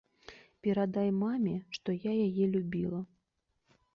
Перадай маме, што я яе любіла.